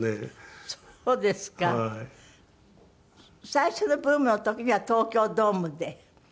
最初のブームの時には東京ドームで。